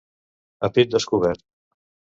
A pit descobert.